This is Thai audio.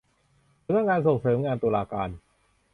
สำนักงานส่งเสริมงานตุลาการ